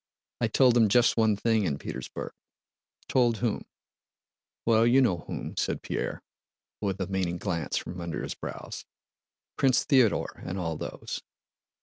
"I told them just one thing in Petersburg." "Told whom?" "Well, you know whom," said Pierre, with a meaning glance from under his brows. "Prince Theodore and all those.